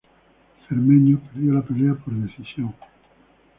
Cermeño perdió la pelea por decisión.